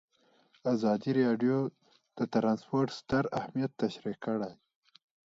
ازادي راډیو د ترانسپورټ ستر اهميت تشریح کړی.